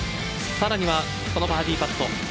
さらにはこのバーディーパット。